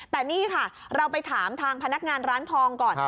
แต่นี่ค่ะเราไปถามทางพนักงานร้านทองก่อน